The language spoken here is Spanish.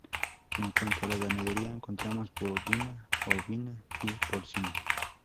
En cuanto a la ganadería, encontramos bovina, ovina y porcina.